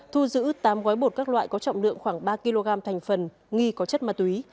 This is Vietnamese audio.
thu giữ tám gói bột các loại có trọng lượng khoảng ba kg thành phần nghi có chất ma túy